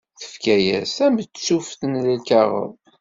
Tefka-yas tamettuft n lkaɣeḍ.